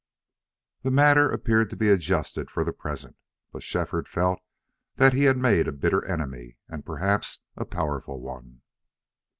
The matter appeared to be adjusted for the present. But Shefford felt that he had made a bitter enemy, and perhaps a powerful one.